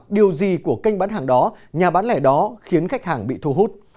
điều gì của kênh bán hàng đó nhà bán lẻ đó khiến khách hàng bị thu hút